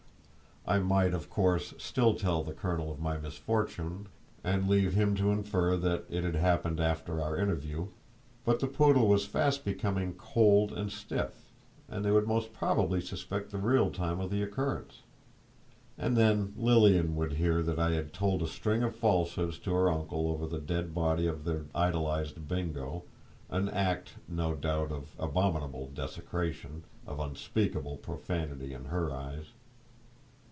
I might, of course, still tell the colonel of my misfortune, and leave him to infer that it had happened after our interview; but the poodle was fast becoming cold and stiff, and they would most probably suspect the real time of the occurrence. And then Lilian would hear that I had told a string of falsehoods to her uncle over the dead body of their idolised Bingo—an act, no doubt, of abominable desecration, of unspeakable profanity, in her eyes.